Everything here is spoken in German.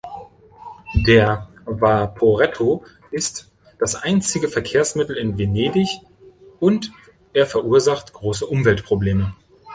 Der vaporetto ist das einzige Verkehrsmittel in Venedig, und er verursacht große Umweltprobleme.